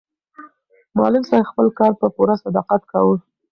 معلم صاحب خپل کار په پوره صداقت کاوه.